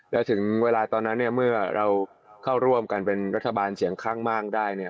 แล้วถึงเวลาตอนนั้นเนี่ยเมื่อเราเข้าร่วมกันเป็นรัฐบาลเสียงข้างมากได้เนี่ย